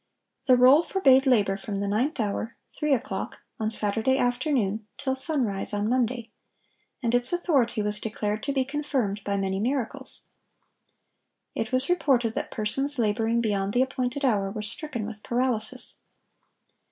The roll forbade labor from the ninth hour, three o'clock, on Saturday afternoon, till sunrise on Monday; and its authority was declared to be confirmed by many miracles. It was reported that persons laboring beyond the appointed hour were stricken with paralysis.